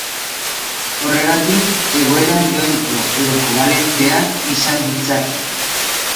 Horregatik, egoera ioniko edo kobalenteak izan ditzake.